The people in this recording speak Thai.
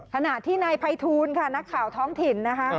ขณะที่นายภัยทูลค่ะนักข่าวท้องถิ่นนะคะ